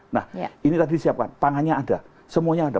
nah ini tadi disiapkan pangannya ada semuanya ada